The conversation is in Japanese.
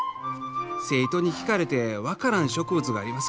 生徒に聞かれて分からん植物があります